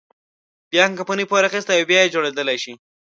بيا هم کمپنۍ پور اخیستلی او بیا جوړېدلی شي.